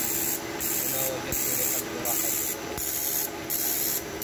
وما وجدت لقلبي راحة أبدا